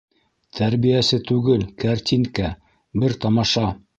Тәрбиәсе түгел, кәртинкә, бер тамаша.